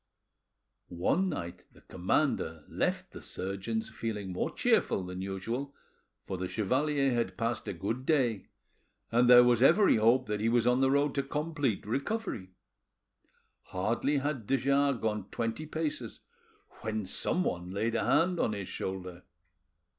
One night the commander left the surgeon's feeling more cheerful than usual, for the chevalier had passed a good day, and there was every hope that he was on the road to complete recovery. Hardly had de Jars gone twenty paces when someone laid a hand on his shoulder.